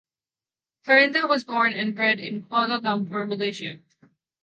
Harinder was born and bred in Kuala Lumpur Malaysia.